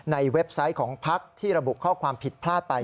เว็บไซต์ของพักที่ระบุข้อความผิดพลาดไป